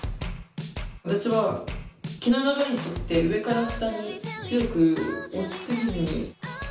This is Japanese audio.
私は毛の流れに沿って上から下に強く押しすぎずに。